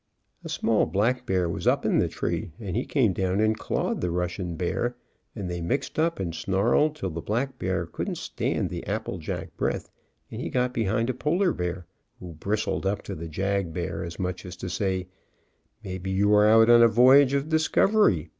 A small black bear was up the tree, and he came down and clawed the Russian bear, and they mixed up and snarled till the black bear couldn't stand the apple jack breath, and he got behind a polar bear, who bristled up to the jag bear as much as to say, "Maybe you are out on a voyage of discovery.